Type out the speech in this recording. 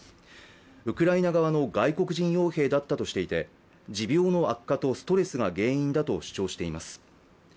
ウクライナ側の外国人よう兵だったとしていて持病の悪化とストレスが原因だと主張しています。